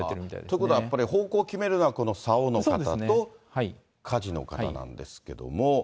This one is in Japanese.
ということは、やっぱり方向を決めるのはこのさおの方と、かじの方なんですけれども。